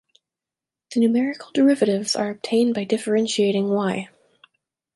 The numerical derivatives are obtained by differentiating Y.